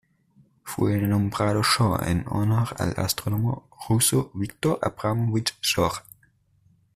Fue nombrado Shor en honor al astrónomo ruso Viktor Abramovich Shor.